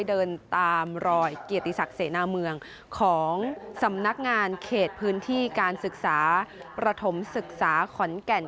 เดินตามรอยเกียรติศักดิ์เสนาเมืองของสำนักงานเขตพื้นที่การศึกษาประถมศึกษาขอนแก่น